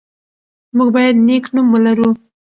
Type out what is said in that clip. موږ باید نېک نوم ولرو.